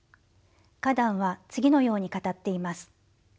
カダンは次のように語っています。